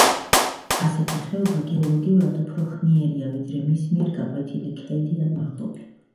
ასეთი ხეობა გეოლოგიურად უფრო ხნიერია, ვიდრე მის მიერ გაკვეთილი ქედი ან მაღლობი.